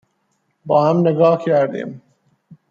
با هم نگاه کردیم